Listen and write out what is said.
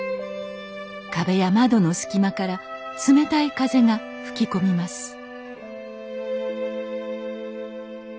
壁や窓の隙間から冷たい風が吹き込みます